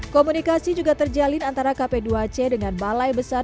komunikasi juga terjalin antara kp dua c dengan balai besar